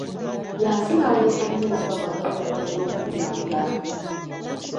Byansi n'awoloma nnyo era nga bw'ayita abatuuze okumuyamba!